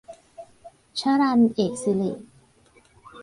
ชรัญ เอกสิริ